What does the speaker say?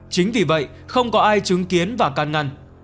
chính vì vậy không có ai chứng kiến và can ngăn